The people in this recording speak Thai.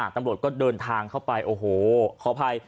ตำรวจก็เดินทางเข้าไปโอ้โหขออภัย